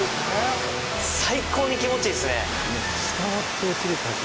最高に気持ちいいですね。